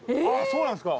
そうなんですか？